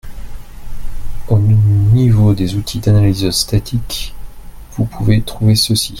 Au niveau des outils d’analyse statique, vous pouvez trouver ceci.